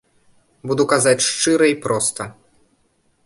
Буду казаць шчыра і проста.